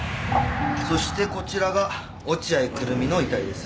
そしてこちらが落合久瑠実の遺体です。